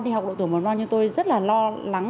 đi học độ tuổi mầm non như tôi rất là lo lắng